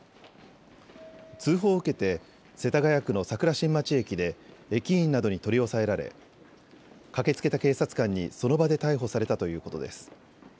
通報を受けて世田谷区の桜新町駅で駅員などに取り押さえられ駆けつけた警察官にその場で逮捕されたということです。